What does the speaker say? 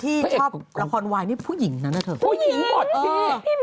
อืมอืมอืมอืมอืมอืม